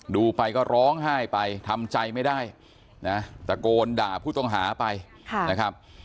ดูไปก็ร้องไห้ไปทำใจไม่ได้นะตะโกนด่าผู้ต้องหาไปนะครับ